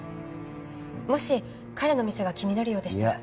もし彼の店が気になるようでしたら。